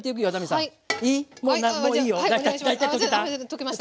溶けました。